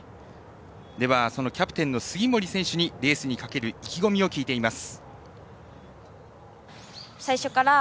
では、そのキャプテンの杉森選手にレースにかける意気込みを聞いています。